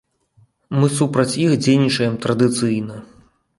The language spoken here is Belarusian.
Мы супраць іх дзейнічаем традыцыйна.